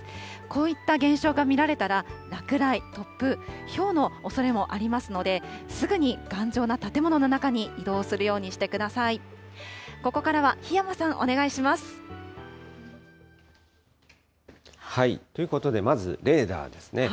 こういった現象が見られたら、落雷、突風、ひょうのおそれもありますので、すぐに頑丈な建物の中に移動するようにしてください。ということでまず、レーダーですね。